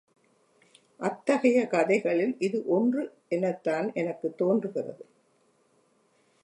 அத்தகையை கதைகளுள் இது ஒன்று எனத்தான் எனக்குத் தோன்றுகிறது.